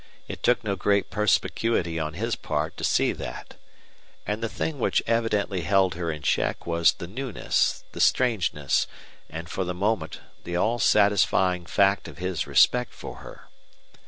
It took no great perspicuity on his part to see that. And the thing which evidently held her in check was the newness, the strangeness, and for the moment the all satisfying fact of his respect for her.